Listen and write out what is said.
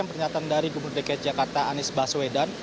yang pertama adalah dari bumreka jakarta anies baswedan